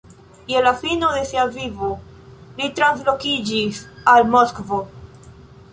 Je la fino de sia vivo li translokiĝis al Moskvo.